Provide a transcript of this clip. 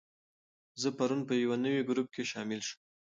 زه پرون په یو نوي ګروپ کې شامل شوم.